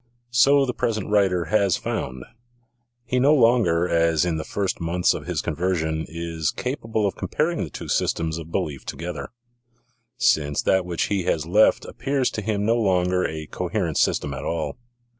So the pres ent writer has found. He no longer, as in the first months of his conversion, is capable of comparing the two systems of belief together, since that which he has left appears to him no longer a coherent system at all.